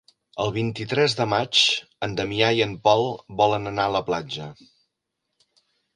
El vint-i-tres de maig en Damià i en Pol volen anar a la platja.